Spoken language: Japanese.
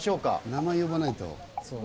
名前呼ばないと。